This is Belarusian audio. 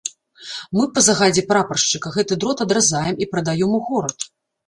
Мы па загадзе прапаршчыка гэты дрот адразаем і прадаём у горад.